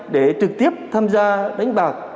để trực tiếp tham gia đánh bạc